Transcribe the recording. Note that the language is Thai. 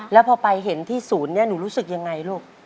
แล้วพอไปเห็นที่ศูนย์นี้หนูรู้สึกยังไงลูก